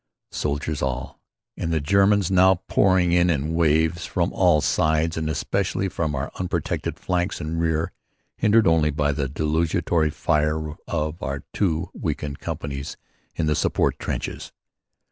Soldiers all. And the Germans now pouring in in waves from all sides, and especially from our unprotected flanks and rear, hindered only by the desultory rifle fire of our two weakened companies in the support trenches.